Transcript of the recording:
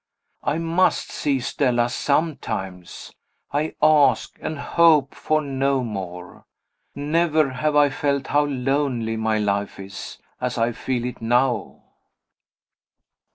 I must see Stella sometimes I ask, and hope for, no more. Never have I felt how lonely my life is, as I feel it now.